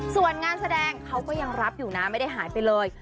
ส่วนงานแสดงเขาก็ยังรับอยู่นะไม่ได้หายไปเลย